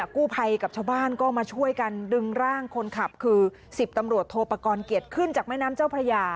กู้ภัยกับชาวบ้านก็มาช่วยกันดึงร่างคนขับคือ๑๐ตำรวจโทปกรณ์เกียรติขึ้นจากแม่น้ำเจ้าพระยา